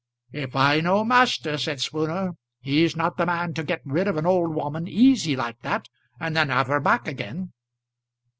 "If I know master," said Spooner, "he's not the man to get rid of an old woman, easy like that, and then 'ave her back agin."